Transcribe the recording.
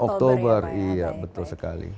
oktober iya betul sekali